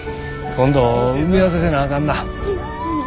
今度埋め合わせせなあかんな。